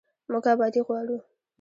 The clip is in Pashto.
موږ ابادي غواړو